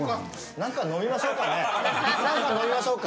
何か飲みましょうか。